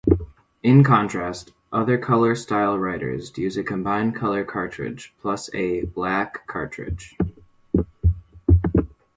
In contrast, other Color StyleWriters used a combined color cartridge plus a black cartridge.